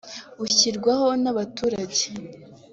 bushyirwaho n’abaturage